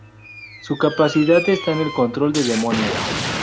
Su capacidad está en el control de demonios.